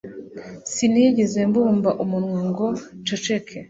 sinigeze mbumba umunwa ngo nceceke